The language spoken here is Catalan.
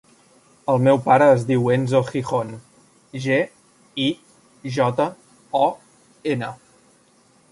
El meu pare es diu Enzo Gijon: ge, i, jota, o, ena.